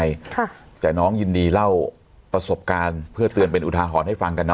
ใช่ค่ะแต่น้องยินดีเล่าประสบการณ์เพื่อเตือนเป็นอุทาหรณ์ให้ฟังกันนะ